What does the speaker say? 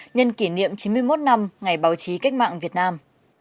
nhân kỷ niệm chín mươi một năm ngày báo chí cách mạng việt nam